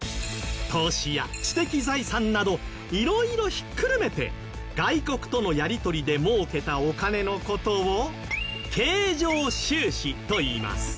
投資や知的財産など色々ひっくるめて外国とのやり取りで儲けたお金の事を経常収支といいます